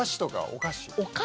お菓子？